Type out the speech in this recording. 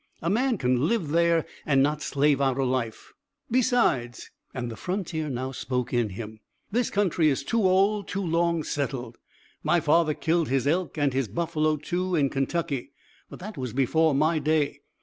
A man can live there and not slave out a life. "Besides" and the frontier now spoke in him "this country is too old, too long settled. My father killed his elk and his buffalo, too, in Kentucky; but that was before my day.